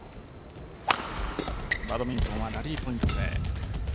バドミントンはラリーポイント制。